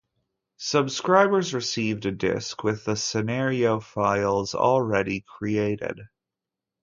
Subscribers received a disk with the scenario files already created.